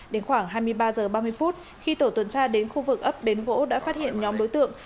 đến khoảng hai mươi ba giờ ba mươi phút khi tổ tuần tra đến khu vực ấp đến gỗ đã phát hiện nhóm đối tượng